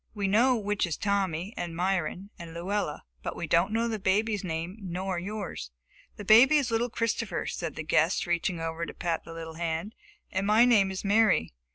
We know which is Tommy, and Myron, and Luella, but we don't know the baby's name, nor yours." "The baby is little Christopher," said the guest, reaching over to pat the little hand, "and my name is Mary.